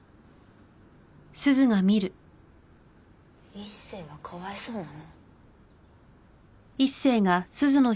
一星はかわいそうなの？